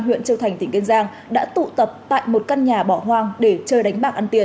huyện châu thành tỉnh kiên giang đã tụ tập tại một căn nhà bỏ hoang để chơi đánh bạc ăn tiền